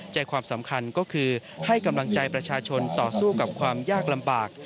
ใจความสำคัญก็คือให้กำลังใจประชาชนต่อสู้กับความยากลำบาก